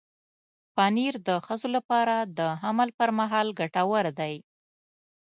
پنېر د ښځو لپاره د حمل پر مهال ګټور دی.